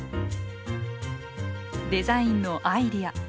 デザインのアイデア。